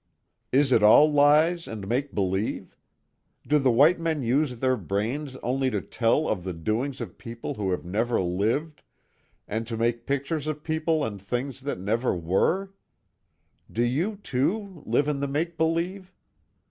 Is it all lies and make believe? Do the white men use their brains only to tell of the doings of people who have never lived, and to make pictures of people and things that never were? Do you, too, live in the make believe?